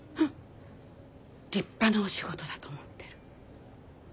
立派なお仕事だと思ってる。